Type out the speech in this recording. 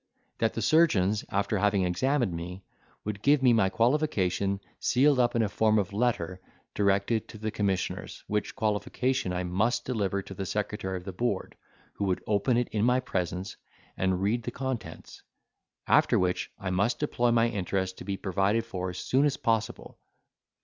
That the surgeons, after having examined me, would give me my qualification sealed up in form of a letter directed to the commissioners, which qualification I must deliver to the secretary of the Board, who would open it in my presence, and read the contents; after which I must employ my interest to be provided for as soon as possible.